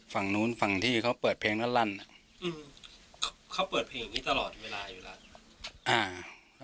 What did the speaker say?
ฝั่งนู้นฝั่งที่เค้าเปิดเพลงแล้วรั่นอืมเค้าเปิดเพลงอยู่นี่ตลอดเวลาอยู่แล้ว